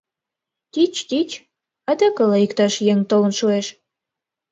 Тӱч, тӱч, адак ала иктаж еҥ толын шуэш!